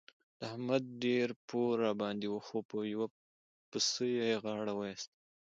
د احمد ډېر پور راباندې وو خو په یوه پسه يې غاړه وېسته.